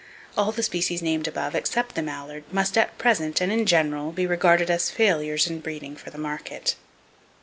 All the species named above, except the mallard, must at present, and in general, be regarded as failures in breeding for the market.